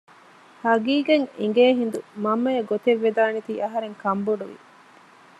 ހަޤީޤަތް އެނގޭ ހިނދު މަންމައަށް ގޮތެއްވެދާނެތީ އަހަރެން ކަންބޮޑުވި